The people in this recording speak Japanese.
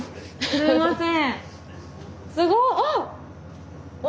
すいません！